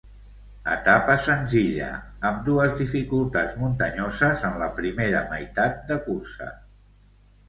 Etapa senzilla, amb dues dificultats muntanyoses en la primera meitat de cursa.